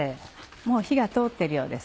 もう火が通ってるようです。